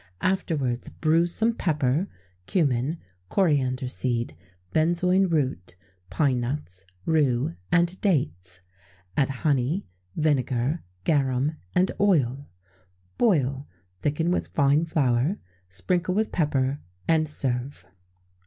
Afterwards bruise some pepper, cummin, coriander seed, benzoin root, pine nuts, rue, and dates; add honey, vinegar, garum, and oil; boil, thicken with fine flour, sprinkle with pepper, and serve.